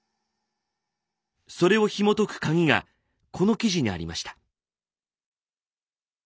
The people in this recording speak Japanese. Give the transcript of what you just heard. それをひもとくカギがこの記事にありました。